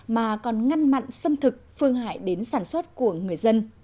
mà còn ngăn mặn xâm thực phương hại đến sản xuất